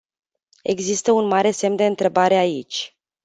Există un mare semn de întrebare aici.